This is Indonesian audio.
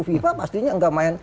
fifa pastinya tidak main